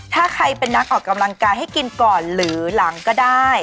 ถ้าใครเป็นนักออกกำลังกายให้กินก่อนหรือหลังก็ได้